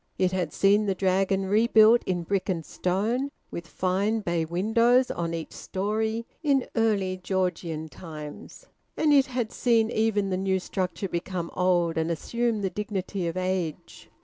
It had seen the Dragon rebuilt in brick and stone, with fine bay windows on each storey, in early Georgian times, and it had seen even the new structure become old and assume the dignity of age.